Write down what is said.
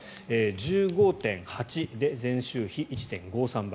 １５．８で前週比１．５３倍。